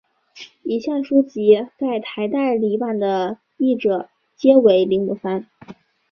以下书籍在台代理版的译者皆为林武三。